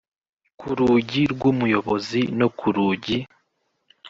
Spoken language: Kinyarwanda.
ku rugi rw'umuyobozi no ku rugi